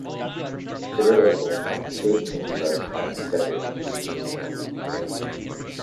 Several of Abu Sa'id's officers had deserted, leaving his army weakened.